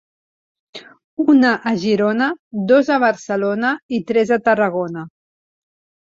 Una a Girona, dos a Barcelona i tres a Tarragona.